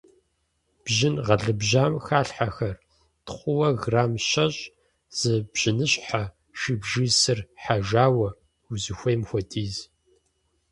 Бжьын гъэлыбжьам халъхьэхэр: тхъууэ грамм щэщӏ, зы бжьыныщхьэ, шыбжий сыр хьэжауэ — узыхуейм хуэдиз.